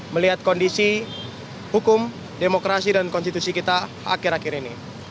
melihat kondisi hukum demokrasi dan konstitusi kita akhir akhir ini